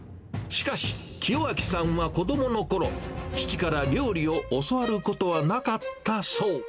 しかし、清照さんは子どものころ、父から料理を教わることはなかったそう。